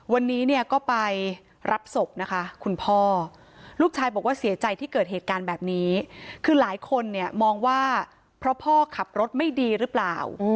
วันนี้เนี่ยก็ไปรับศพนะคะคุณพ่อลูกชายบอกว่าเสียใจที่เกิดเหตุการณ์แบบนี้คือหลายคนเนี่ยมองว่าเพราะพ่อขับรถไม่ดีหรือเปล่า